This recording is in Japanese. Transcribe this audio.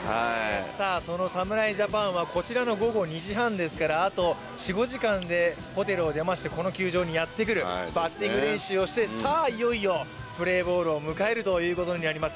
その侍ジャパンはこちらの午後２時半ですからあと４５時間でホテルを出ましてこの球場にやってくる、バッティング練習をしてさあいよいよプレーボールを迎えるということになります。